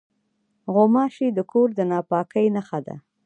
غوماشې د کور د ناپاکۍ نښه دي.